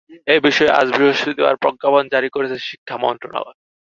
এ বিষয়ে আজ বৃহস্পতিবার প্রজ্ঞাপন জারি করেছে শিক্ষা মন্ত্রণালয়।